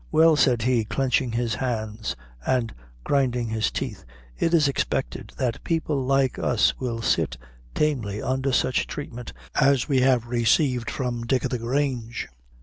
"Well," said he, clenching his hands and grinding his teeth, "it is expected that people like us will sit tamely undher sich tratement as we have resaved from Dick o' the Grange.